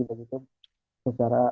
dan itu secara